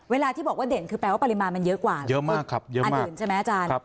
เวลาที่บอกว่าเด่นคือแปลว่าปริมาณมันเยอะกว่าเยอะมากอันอื่นใช่ไหมอาจารย์